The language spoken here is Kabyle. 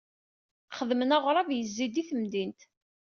Xedmen aɣrab yezzi-d i temdint.